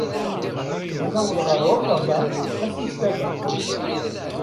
Ad naweḍ ɣer Rotterdam ass n ttlata.